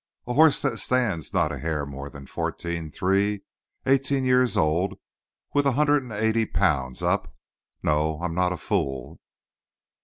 "A horse that stands not a hair more than fourteen three, eighteen years old, with a hundred and eighty pounds up No, I'm not a fool."